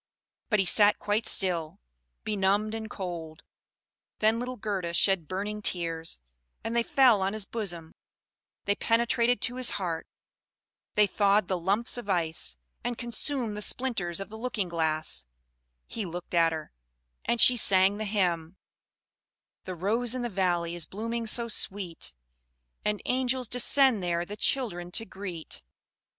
But he sat quite still, benumbed and cold. Then little Gerda shed burning tears; and they fell on his bosom, they penetrated to his heart, they thawed the lumps of ice, and consumed the splinters of the looking glass; he looked at her, and she sang the hymn: "The rose in the valley is blooming so sweet, And angels descend there the children to greet."